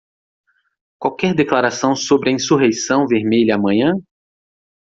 Qualquer declaração sobre a insurreição vermelha amanhã?